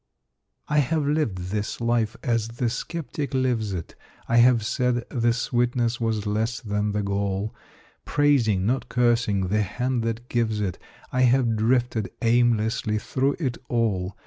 I have lived this life as the skeptic lives it; I have said the sweetness was less than the gall; Praising, nor cursing, the Hand that gives it, I have drifted aimlessly through it all.